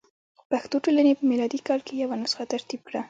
پښتو ټولنې په میلادي کال کې یوه نسخه ترتیب کړه.